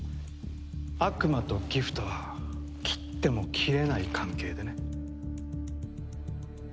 悪魔とギフとは切っても切れない関係でね。